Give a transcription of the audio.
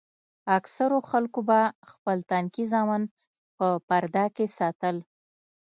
اکثرو خلکو به خپل تنکي زامن په پرده کښې ساتل.